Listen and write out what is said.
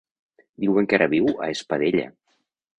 Diuen que ara viu a Espadella.